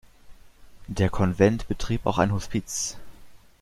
Der Konvent betrieb auch ein Hospiz.